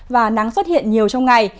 và nắng xuất hiện nhiều trong ngày